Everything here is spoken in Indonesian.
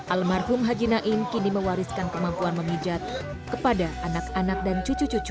almarhum haji naim kini mewariskan kemampuan memijat kepada anak anak dan cucu cucu